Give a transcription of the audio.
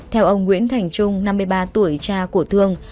theo ông nguyễn thành trung năm mươi ba tuổi cha của thương